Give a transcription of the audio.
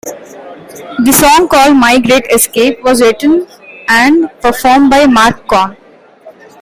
The song called "My Great Escape" was written and performed by Marc Cohn.